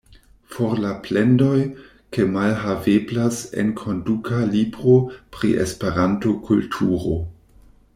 For la plendoj, ke malhaveblas enkonduka libro pri Esperanto-kulturo!